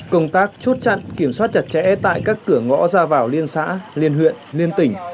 công tác chốt chặn kiểm soát chặt chẽ tại các cửa ngõ ra vào liên xã liên huyện liên tỉnh